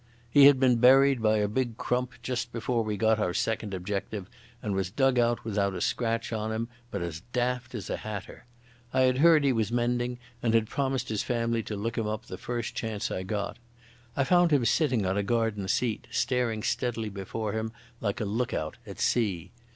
He had been buried by a big crump just before we got our second objective, and was dug out without a scratch on him, but as daft as a hatter. I had heard he was mending, and had promised his family to look him up the first chance I got. I found him sitting on a garden seat, staring steadily before him like a lookout at sea.